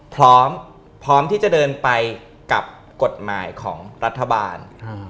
พร้อมพร้อมที่จะเดินไปกับกฎหมายของรัฐบาล